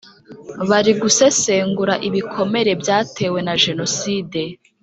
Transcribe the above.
Bari Gusesengura ibikomere byatewe na jenoside.